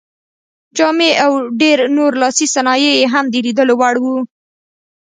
جامې او ډېر نور لاسي صنایع یې هم د لیدلو وړ وو.